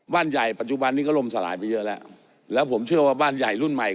ใหญ่ปัจจุบันนี้ก็ล่มสลายไปเยอะแล้วแล้วผมเชื่อว่าบ้านใหญ่รุ่นใหม่